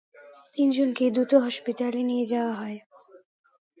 তিন জনকেই দ্রুত হাসপাতালে নিয়ে যাওয়া হয়।